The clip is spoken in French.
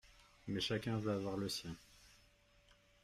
Mais chacun veut avoir le sien.